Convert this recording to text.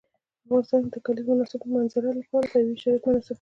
په افغانستان کې د د کلیزو منظره لپاره طبیعي شرایط مناسب دي.